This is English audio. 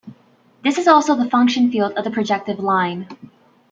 This is also the function field of the projective line.